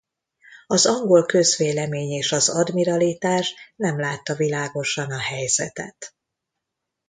Az angol közvélemény és az Admiralitás nem látta világosan a helyzetet.